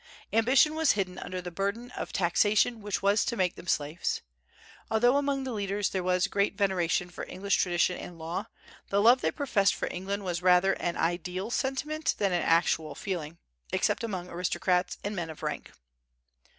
Ambition was hidden under the burden of taxation which was to make them slaves. Although among the leaders there was great veneration for English tradition and law, the love they professed for England was rather an ideal sentiment than an actual feeling, except among aristocrats and men of rank.